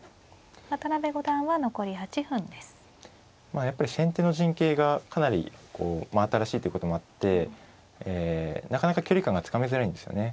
まあやっぱり先手の陣形がかなりこうまあ新しいということもあってなかなか距離感がつかみづらいんですよね。